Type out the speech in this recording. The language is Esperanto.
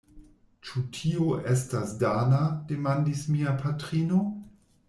Ĉu tio estas dana? demandis mia patrino.